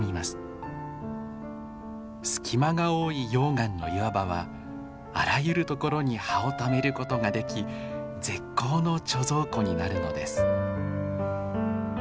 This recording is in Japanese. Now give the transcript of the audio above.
隙間が多い溶岩の岩場はあらゆる所に葉をためることができ絶好の貯蔵庫になるのです。